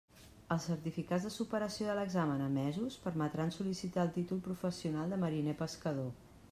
Els certificats de superació de l'examen emesos, permetran sol·licitar el títol professional de mariner pescador.